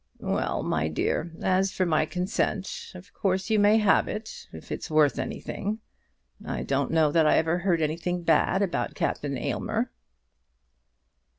"Well, my dear, as for my consent, of course you may have it, if it's worth anything. I don't know that I ever heard anything bad about Captain Aylmer."